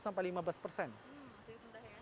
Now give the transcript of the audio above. masih rendah ya